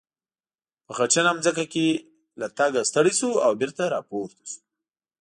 په خټینه ځمکه کې له تګه ستړی شو او بېرته را پورته شو.